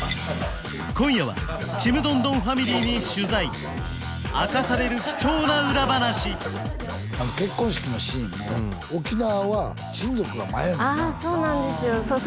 今夜はちむどんどんファミリーに取材明かされる貴重な裏話結婚式のシーンも沖縄は親族が前やねんなあ